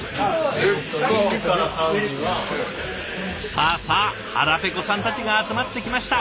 さあさあ腹ペコさんたちが集まってきました。